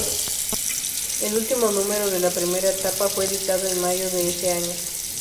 El último número de la primera etapa fue editada en mayo de ese año.